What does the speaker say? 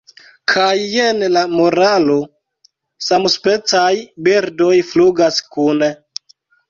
Kaj jen la moralo: 'Samspecaj birdoj flugas kune.'"